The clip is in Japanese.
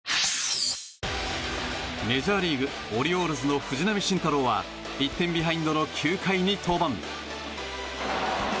メジャーリーグオリオールズの藤浪晋太郎は１点ビハインドの９回に登板。